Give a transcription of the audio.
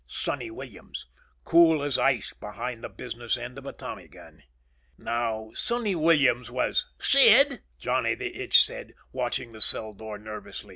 Sonny Williams, cool as ice behind the business end of a Tommy gun. Now, Sonny Williams was "Sid," Johnny the Itch said, watching the cell door nervously.